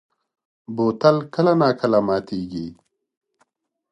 بوتل کله نا کله ماتېږي.